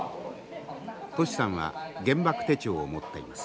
トシさんは原爆手帳を持っています。